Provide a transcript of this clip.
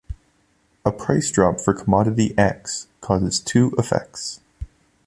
A price drop for commodity X causes two effects.